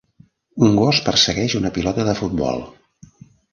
Un gos persegueix una pilota de futbol.